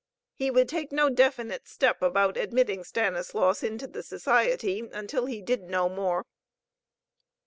He would take no definite step about admitting Stanislaus into the Society until he did know more.